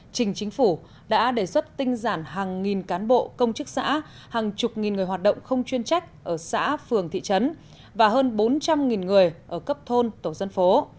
trình chính phủ đã đề xuất tinh giản hàng nghìn cán bộ công chức xã hàng chục nghìn người hoạt động không chuyên trách ở xã phường thị trấn và hơn bốn trăm linh người ở cấp thôn tổ dân phố